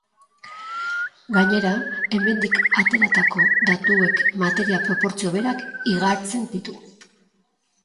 Gainera hemendik ateratako datuek materia proportzio berak iragartzen ditu.